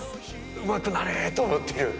うまくなれ！と思ってる。